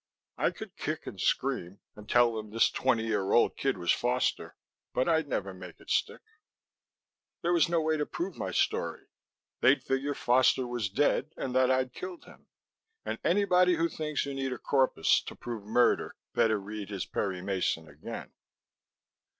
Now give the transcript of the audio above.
I could kick and scream and tell them this twenty year old kid was Foster, but I'd never make it stick. There was no way to prove my story; they'd figure Foster was dead and that I'd killed him and anybody who thinks you need a corpus to prove murder better read his Perry Mason again.